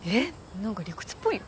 なんか理屈っぽいよ。